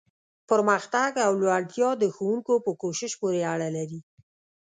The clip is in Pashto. پرمختګ او لوړتیا د ښوونکو په کوښښ پورې اړه لري.